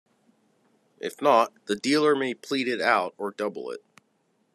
If not, the dealer may plead it out, or double it.